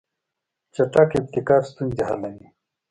چټک ابتکار ستونزې حلوي.